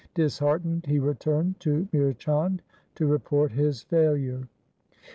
Disheartened he returned to Mihr Chand to report his failure.